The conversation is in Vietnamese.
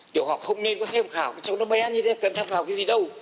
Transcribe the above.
tiểu học không nên có xem khảo cái chỗ nó bé như thế cần tham khảo cái gì đâu